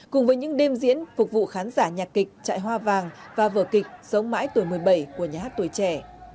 cùng với những đêm diễn phục vụ khán giả nhạc kịch trại hoa vàng và vở kịch sống mãi tuổi một mươi bảy của nhà hát tuổi trẻ